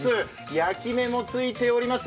焼き目もついております。